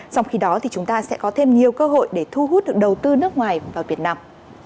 trong khi đó thì chúng ta sẽ có thêm nhiều cơ hội để thu hút được đầu tư nước ngoài vào việt nam